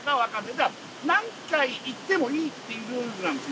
じゃあ何回いってもいいっていうルールなんです